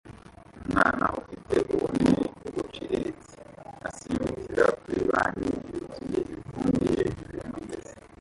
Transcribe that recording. Umwana ufite ubunini buciriritse asimbukira kuri banki yuzuye ivumbi hejuru yumugezi